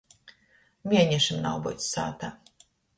Mienešim nav byuts sātā.